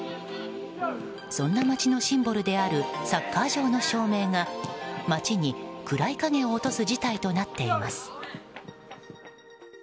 そんな町のシンボルであるサッカー場の照明が町に暗い影を落とす事態となっています。